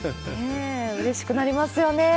うれしくなりますよね。